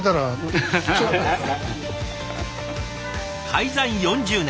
開山４０年。